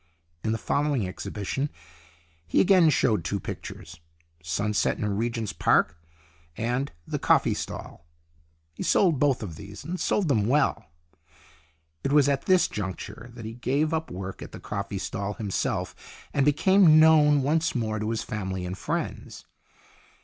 In the following exhi bition he again showed two pictures " Sunset in Regent's Park " and " The Coffee Stall." He sold both of these, and sold them well. It was at this juncture that he gave up work at the coffee stall himself, and became known once more to his family and friends.